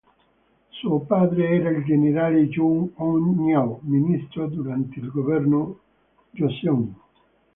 Suo padre era il generale Yun Ung-nyeol, ministro durante il governo Joseon.